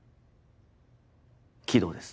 鬼道です。